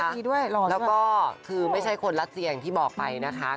แล้วก็คือไม่ใช่คนลัดเสียงที่บอกไปนะคะ